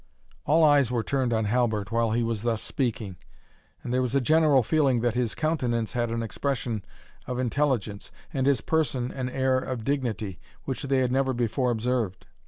All eyes were turned on Halbert while he was thus speaking, and there was a general feeling that his countenance had an expression of intelligence, and his person an air of dignity, which they had never before observed.